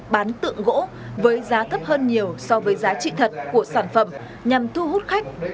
bán tượng gỗ với giá thấp hơn nhiều so với giá trị thật của sản phẩm nhằm thu hút khách